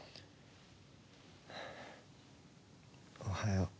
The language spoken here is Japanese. おはよう。